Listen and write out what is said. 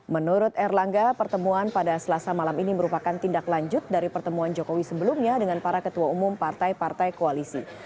menurut erlangga pertemuan pada selasa malam ini merupakan tindak lanjut dari pertemuan jokowi sebelumnya dengan para ketua umum partai partai koalisi